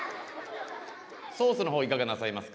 ソースの方いかがなさいますか？